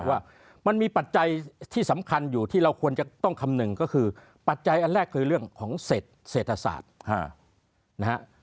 ว่ามันมีปัจจัยที่สำคัญอยู่ที่เราควรจะต้องคำนึงก็คือปัจจัยอันแรกคือเรื่องของเศรษฐศาสตร์นะฮะ